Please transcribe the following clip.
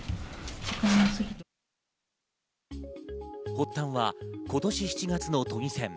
発端は今年７月の都議選。